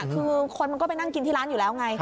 คือคนมันก็ไปนั่งกินที่ร้านอยู่แล้วไง